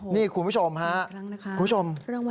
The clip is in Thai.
นี่คุณผู้ชมฮะคุณผู้ชม